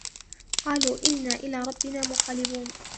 قالوا إنا إلى ربنا منقلبون